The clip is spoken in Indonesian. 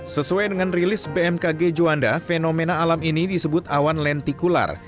sesuai dengan rilis bmkg juanda fenomena alam ini disebut awan lentikular